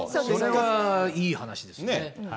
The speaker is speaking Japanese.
それはいい話ですね。